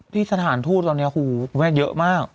ที่สถานทู่ตอนนี้คุณแม่งเยอะมาก